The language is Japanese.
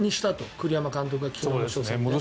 栗山監督が昨日の初戦。